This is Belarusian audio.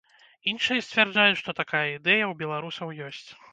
Іншыя сцвярджаюць, што такая ідэя ў беларусаў ёсць.